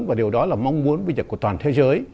và điều đó là mong muốn bây giờ của toàn thế giới